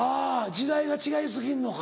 時代が違い過ぎんのか。